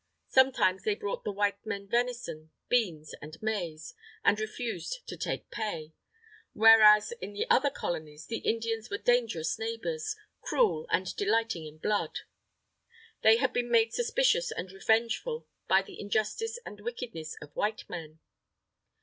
Sometimes they brought the white men venison, beans, and maize, and refused to take pay. Whereas, in the other Colonies, the Indians were dangerous neighbours, cruel and delighting in blood. They had been made suspicious and revengeful by the injustice and wickedness of white men.